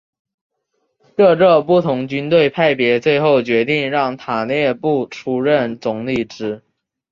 各个不同军队派别最后决定让塔列布出任总理职。